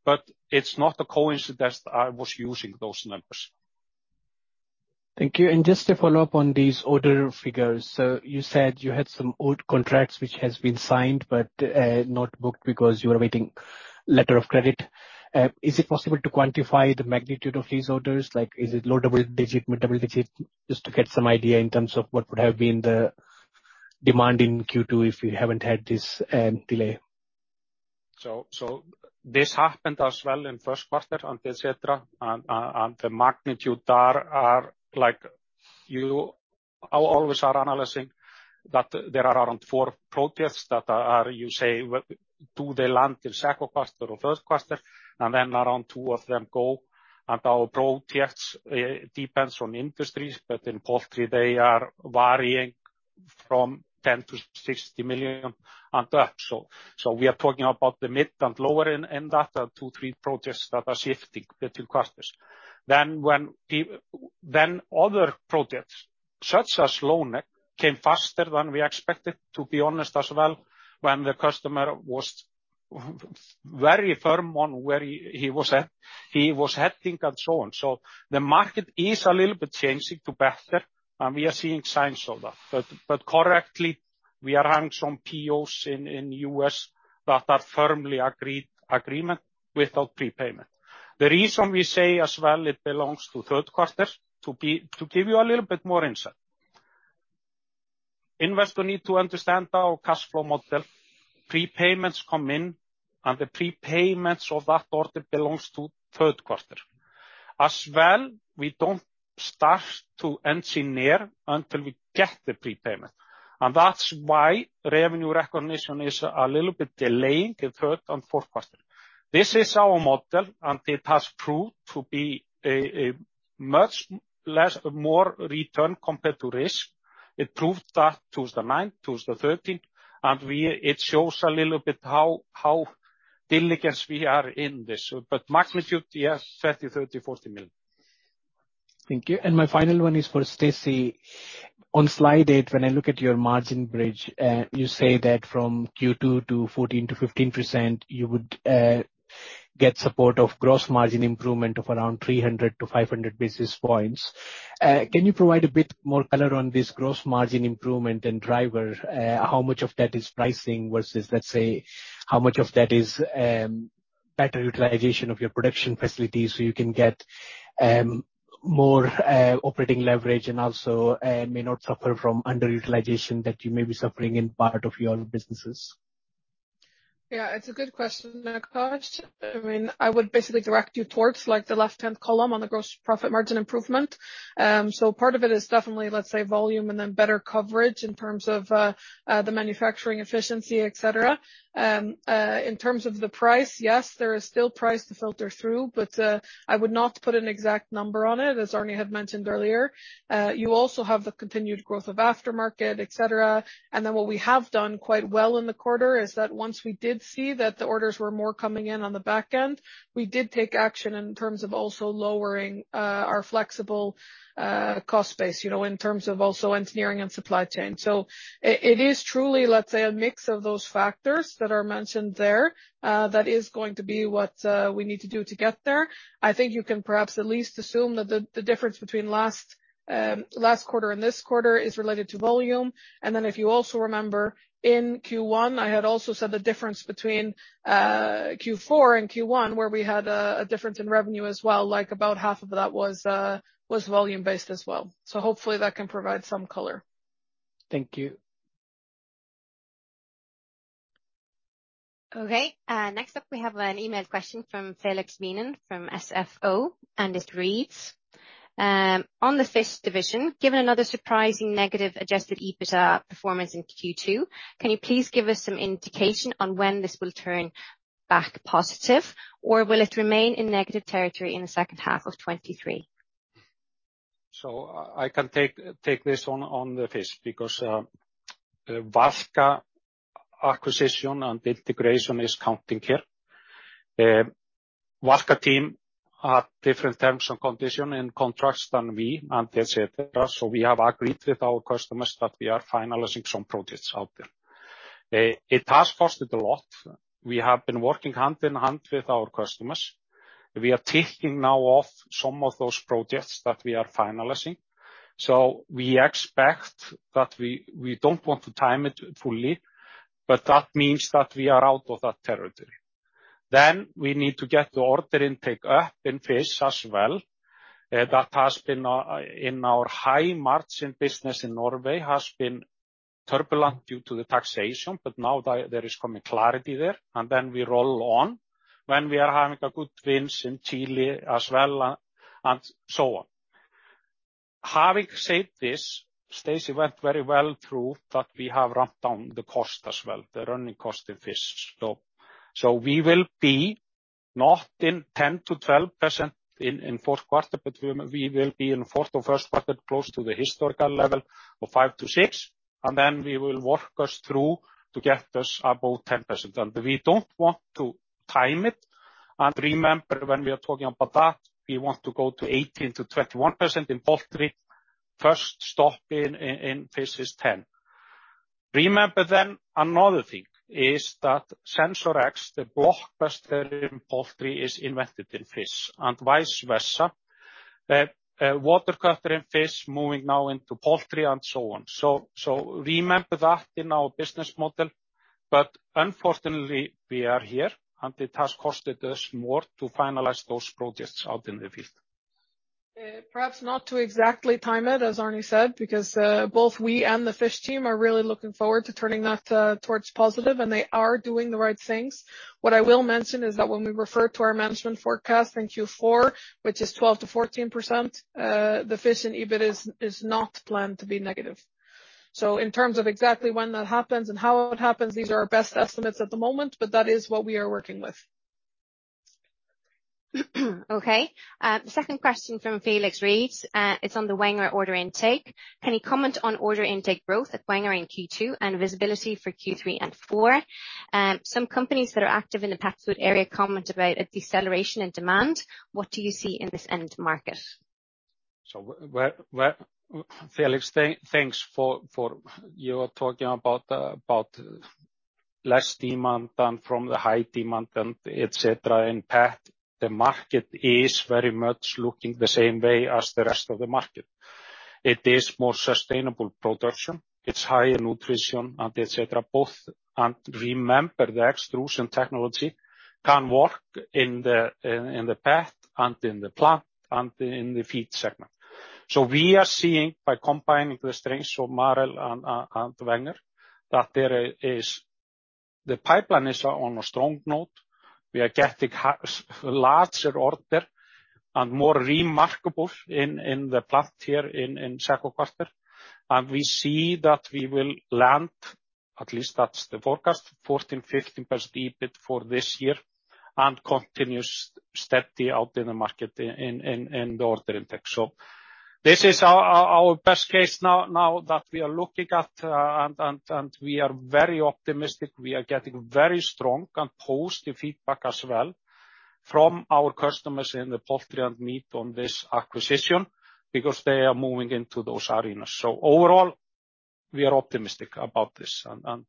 S2: but it's not a coincidence I was using those numbers.
S6: Thank you. Just to follow up on these order figures, you said you had some old contracts which has been signed, but not booked because you are waiting letter of credit. Is it possible to quantify the magnitude of these orders? Like, is it low double digit, mid double digit? Just to get some idea in terms of what would have been the demand in Q2 if you haven't had this delay.
S2: this happened as well in first quarter and et cetera, and the magnitude there are like I always are analyzing that there are around 4 projects that are, you say, do they land in second quarter or first quarter, and then around 2 of them go. Our projects depends on industries, but in poultry, they are varying from 10 million-60 million and up. we are talking about the mid and lower end, and that are 2, 3 projects that are shifting between quarters. when other projects, such as Loneg, came faster than we expected, to be honest, as well, when the customer was very firm on where he was, he was heading and so on. The market is a little bit changing to better, and we are seeing signs of that. Correctly, we are having some POs in U.S. that are firmly agreed agreement without prepayment. The reason we say as well, it belongs to third quarter, to give you a little bit more insight. Investors need to understand our cash flow model. Prepayments come in, and the prepayments of that order belongs to third quarter. As well, we don't start to engineer until we get the prepayment. That's why revenue recognition is a little bit delayed in third and fourth quarter. This is our model, and it has proved to be a much less, more return compared to risk. It proved that 2009, 2013, and it shows a little bit how diligence we are in this. Magnitude, yes, $30 million, $30 million, $40 million.
S6: Thank you. My final one is for Stacy. On slide eight, when I look at your margin bridge, you say that from Q2 to 14%-15%, you would get support of gross margin improvement of around 300-500 basis points. Can you provide a bit more color on this gross margin improvement and driver? How much of that is pricing versus, let's say, how much of that is better utilization of your production facilities, so you can get more operating leverage, and also, may not suffer from underutilization that you may be suffering in part of your businesses?
S3: Yeah, it's a good question, Kaj. I mean, I would basically direct you towards, like, the left-hand column on the gross profit margin improvement. Part of it is definitely, let's say, volume and then better coverage in terms of the manufacturing efficiency, et cetera. In terms of the price, yes, there is still price to filter through, I would not put an exact number on it, as Arne had mentioned earlier. You also have the continued growth of aftermarket, et cetera. What we have done quite well in the quarter is that once we did see that the orders were more coming in on the back end, we did take action in terms of also lowering our flexible cost base, you know, in terms of also engineering and supply chain. It is truly, let's say, a mix of those factors that are mentioned there, that is going to be what we need to do to get there. I think you can perhaps at least assume that the difference between last quarter and this quarter is related to volume. If you also remember, in Q1, I had also said the difference between Q4 and Q1, where we had a difference in revenue as well, like about half of that was volume-based as well. Hopefully that can provide some color.
S6: Thank you.
S1: Okay, next up, we have an email question from Felix Minnaar, from SFO. It reads: On the fish division, given another surprising negative adjusted EBITDA performance in Q2, can you please give us some indication on when this will turn back positive? Will it remain in negative territory in the second half of 2023?
S2: I can take this one on the fish, because Valka acquisition and integration is counting here. Valka team have different terms and condition in contracts than we and et cetera, so we have agreed with our customers that we are finalizing some projects out there. It has costed a lot. We have been working hand in hand with our customers. We are ticking now off some of those projects that we are finalizing. We expect that we don't want to time it fully, but that means that we are out of that territory. We need to get the order intake up in fish as well. That has been in our high margin business in Norway, has been turbulent due to the taxation. Now there is coming clarity there. Then we roll on, when we are having good wins in Chile as well, and so on. Having said this, Stacy went very well through that we have ramped down the cost as well, the running cost in fish. We will be not in 10%-12% in fourth quarter, but we will be in fourth or first quarter, close to the historical level of 5%-6%. Then we will work us through to get us above 10%. We don't want to time it. Remember, when we are talking about that, we want to go to 18%-21% in poultry. First stop in fish is 10%. Remember, another thing is that SensorX, the blockbuster in poultry, is invented in fish, and vice versa. Water cutter in fish, moving now into poultry and so on. Remember that in our business model, but unfortunately, we are here, and it has costed us more to finalize those projects out in the field. ...
S3: Perhaps not to exactly time it, as Arni said, because both we and the fish team are really looking forward to turning that towards positive. They are doing the right things. What I will mention is that when we refer to our management forecast in Q4, which is 12%-14%, the fish in EBIT is not planned to be negative. In terms of exactly when that happens and how it happens, these are our best estimates at the moment, but that is what we are working with.
S1: Okay, second question from Felix, reads: It's on the Wenger order intake. Any comment on order intake growth at Wenger in Q2 and visibility for Q3 and Q4? Some companies that are active in the pet food area comment about a deceleration in demand. What do you see in this end market?
S2: Felix, thanks for you are talking about less demand than from the high demand and et cetera. In pet, the market is very much looking the same way as the rest of the market. It is more sustainable production, it's higher nutrition, and et cetera, both. Remember, the extrusion technology can work in the pet and in the plant and in the feed segment. We are seeing, by combining the strengths of Marel and Wenger, that The pipeline is on a strong note. We are getting larger order and more remarkable in the plant here in second quarter. We see that we will land, at least that's the forecast, 14-15% EBIT for this year, and continuous steady out in the market in the order intake. This is our best case now that we are looking at, and we are very optimistic. We are getting very strong and positive feedback as well from our customers in the poultry and meat on this acquisition, because they are moving into those arenas. Overall, we are optimistic about this and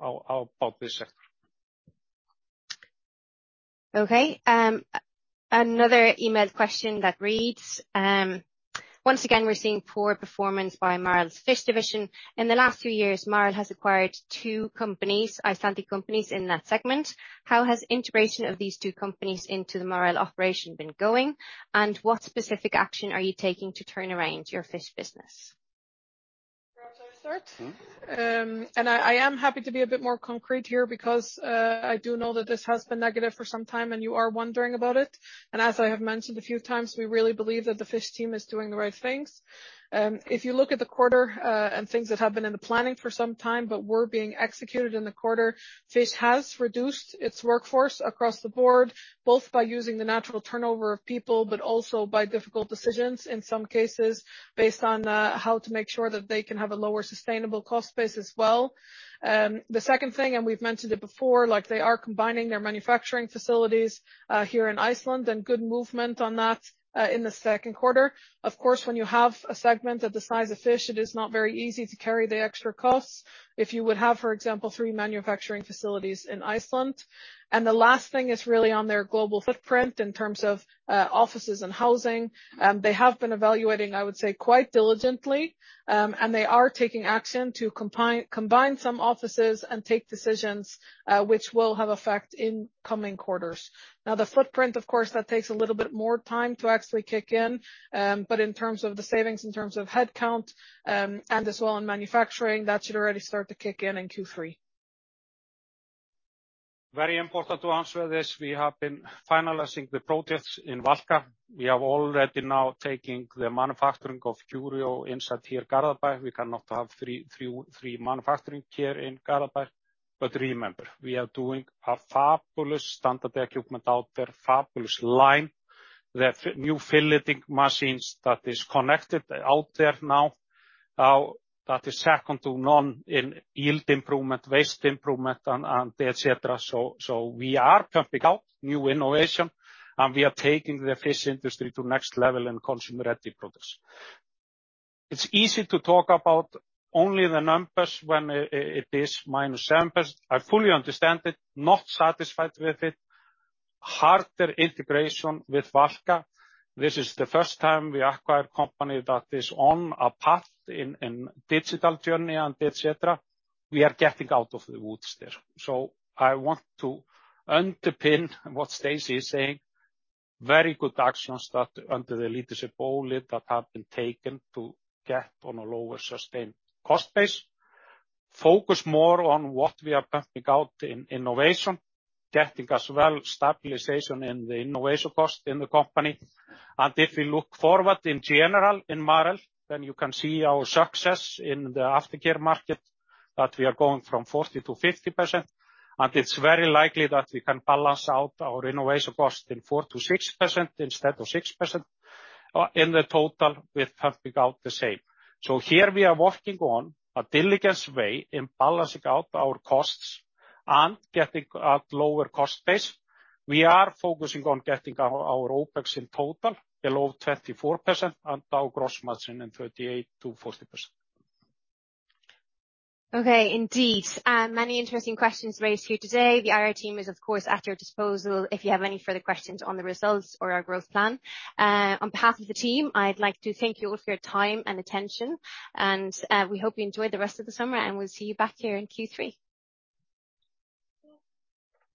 S2: about this sector.
S1: Okay, another emailed question that reads: Once again, we're seeing poor performance by Marel's fish division. In the last two years, Marel has acquired two companies, Icelandic companies, in that segment. How has integration of these two companies into the Marel operation been going, and what specific action are you taking to turn around your fish business?
S3: Perhaps I'll start.
S2: Mm-hmm.
S3: I am happy to be a bit more concrete here, because I do know that this has been negative for some time, and you are wondering about it. As I have mentioned a few times, we really believe that the fish team is doing the right things. If you look at the quarter, and things that have been in the planning for some time but were being executed in the quarter, fish has reduced its workforce across the board, both by using the natural turnover of people, but also by difficult decisions in some cases, based on how to make sure that they can have a lower sustainable cost base as well. The second thing, and we've mentioned it before, like, they are combining their manufacturing facilities here in Iceland, and good movement on that in the second quarter. Of course, when you have a segment of the size of fish, it is not very easy to carry the extra costs if you would have, for example, three manufacturing facilities in Iceland. The last thing is really on their global footprint in terms of offices and housing. They have been evaluating, I would say, quite diligently, and they are taking action to combine some offices and take decisions which will have effect in coming quarters. The footprint, of course, that takes a little bit more time to actually kick in, but in terms of the savings, in terms of head count, and as well in manufacturing, that should already start to kick in Q3.
S2: Very important to answer this. We have been finalizing the projects in Valka. We have already now taking the manufacturing of Curio inside here, Garðabær. We cannot have three manufacturing here in Garðabær. Remember, we are doing a fabulous standard equipment out there, fabulous line. The new filleting machines that is connected out there now, that is second to none in yield improvement, waste improvement, and et cetera. We are pumping out new innovation, and we are taking the fish industry to next level in consumer-ready products. It's easy to talk about only the numbers when it is -7%. I fully understand it, not satisfied with it. Harder integration with Valka. This is the first time we acquire company that is on a path in digital journey and et cetera. We are getting out of the woods there. I want to underpin what Stacey is saying. Very good actions that under the leadership of Oli that have been taken to get on a lower sustained cost base, focus more on what we are pumping out in innovation, getting as well, stabilization in the innovation cost in the company. If we look forward in general in Marel, you can see our success in the aftercare market, that we are going from 40%-50%, and it's very likely that we can balance out our innovation cost in 4%-6% instead of 6%, in the total, with pumping out the same. Here we are working on a diligence way in balancing out our costs and getting at lower cost base. We are focusing on getting our OPEX in total below 24% and our gross margin in 38%-40%.
S1: Okay, indeed, many interesting questions raised here today. The IR team is, of course, at your disposal if you have any further questions on the results or our growth plan. On behalf of the team, I'd like to thank you all for your time and attention, and, we hope you enjoy the rest of the summer, and we'll see you back here in Q3.